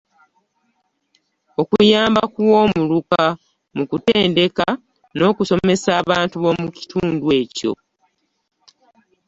Okuyamba ku Woomuluka mu kutendeka n’okusomesa abantu b’omu kitundu kyo.